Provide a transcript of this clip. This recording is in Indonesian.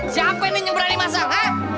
siapa ini yang berani masak hah